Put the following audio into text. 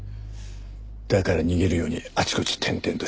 だから逃げるようにあちこち転々としてた。